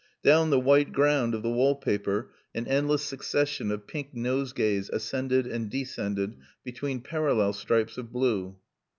Down the white ground of the wall paper an endless succession of pink nosegays ascended and descended between parallel stripes of blue.